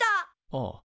ああ。